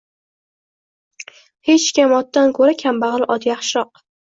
Hech kam otdan ko'ra, kambag'al ot yaxshiroq